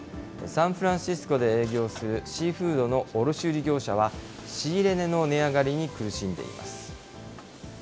サンフランシスコで営業するシーフードの卸売り業者は、仕入れ値の値上がりに苦しんでいます。